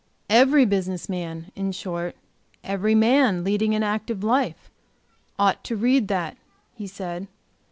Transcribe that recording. "Every business man, in short every man leading an active life, ought to read that," he said.